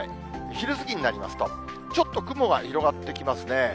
昼過ぎになりますと、ちょっと雲は広がってきますね。